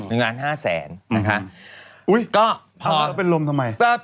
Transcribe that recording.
อุ๊ยเป็นลมทำไม